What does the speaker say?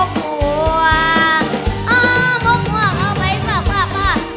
รถแข่งหัวรถกะเลยหัง